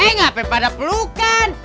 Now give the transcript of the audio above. engapin pada pelukan